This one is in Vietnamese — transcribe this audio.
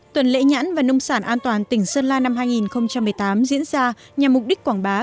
tuần lễ nhãn và nông sản an toàn tỉnh sơn la năm hai nghìn một mươi tám diễn ra nhằm mục đích quảng bá